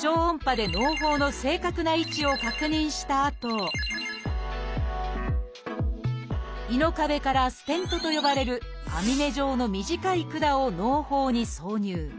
超音波でのう胞の正確な位置を確認したあと胃の壁から「ステント」と呼ばれる網目状の短い管をのう胞に挿入。